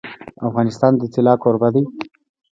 افغانستان د طلا کوربه دی.